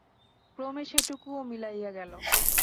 ক্রমে সেটুকুও মিলাইয়া গেল।